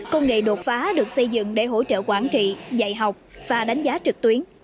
công nghệ đột phá được xây dựng để hỗ trợ quản trị dạy học và đánh giá trực tuyến